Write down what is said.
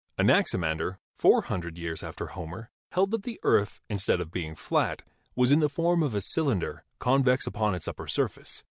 Anaximander, four hundred years after Homer, held that the earth, instead of being flat, was in the form of a cylinder, convex upon its upper surface.